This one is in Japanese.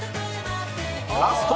ラスト